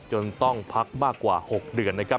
ต้องพักมากกว่า๖เดือนนะครับ